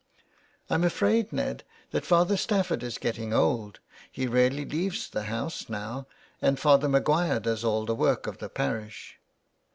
'' I'm afraid, Ned, that Father Stafford is getting old. He rarely leaves the house now, and Father Maguire does all the work of the parish."